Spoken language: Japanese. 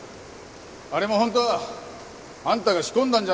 あれも本当はあんたが仕込んだんじゃないのか？